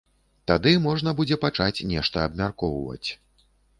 Тады можна будзе пачаць нешта абмяркоўваць.